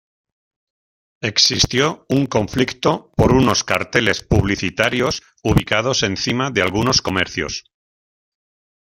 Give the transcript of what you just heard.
Existió un conflicto por unos carteles publicitarios ubicados encima de algunos comercios.